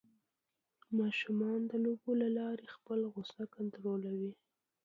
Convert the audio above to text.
ماشومان د لوبو له لارې خپل غوسه کنټرولوي.